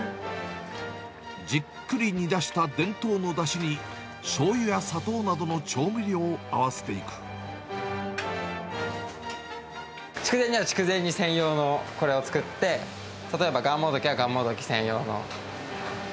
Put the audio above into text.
じっくり煮出した伝統のだしにしょうゆや砂糖などの調味料を合わ筑前煮は筑前煮専用のこれを作って、例えばがんもどきはがんもどき専用の。